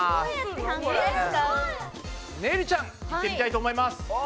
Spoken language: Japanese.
ねるちゃんいってみたいと思います。